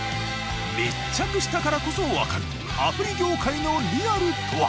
密着したからこそわかるアプリ業界のリアルとは？